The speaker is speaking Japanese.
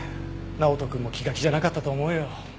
直人くんも気が気じゃなかったと思うよ。